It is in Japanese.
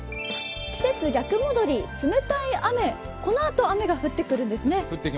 季節逆戻り冷たい雨、このあと雨が降ってくるんですね。